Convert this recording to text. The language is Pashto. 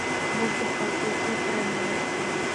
موږ د خپل کلتور درناوی کوو.